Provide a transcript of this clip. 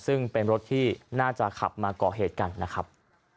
ซึ่งเป็นรถที่น่าจะขับมาก่อเหตุกันนะครับ